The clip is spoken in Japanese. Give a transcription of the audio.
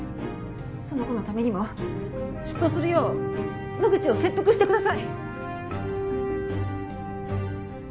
その子のためにも出頭するよう野口を説得してください！